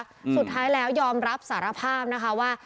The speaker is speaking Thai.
สุดท้ายแล้วยอมรับสารภาพนะคะว่า